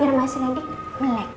biar mas randy melek